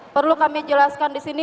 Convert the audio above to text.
perlu kami jelaskan di sini